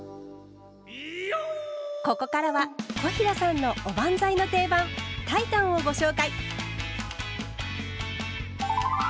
ここからは小平さんのおばんざいの定番「炊いたん」をご紹介。